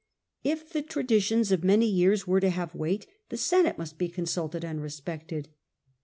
If the unt. traditions of many years were to have weight, the Senate must be consulted and respected.